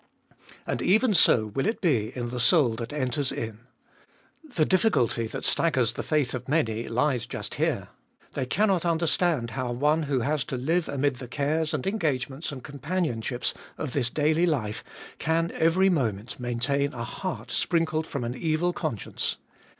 And even so will it be in the soul that enters in. The difficulty that staggers the faith of many lies just here : they cannot understand how one who has to live amid the cares and engagements and companionships of this daily life can every moment maintain a heart sprinkled from an evil conscience.